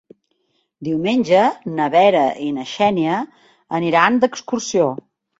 Diumenge na Vera i na Xènia aniran d'excursió.